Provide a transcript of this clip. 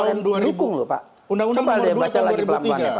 undang undang nomor dua tahun dua ribu tiga